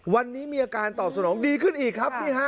วันนี้มีอาการตอบสนองดีขึ้นอีกครับ